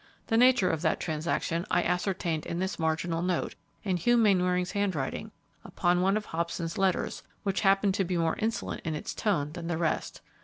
The nature of that transaction, I ascertained in this marginal note, in Hugh Mainwaring's handwriting, upon one of Hobson's letters which happened to be more insolent in its tone than the rest.